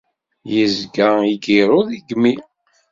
Yezga igiṛu deg imi